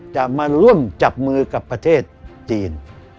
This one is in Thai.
จะมาร่วมจับมือกับประเทศจีน